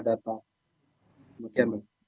dan juga di kabupaten tanah datar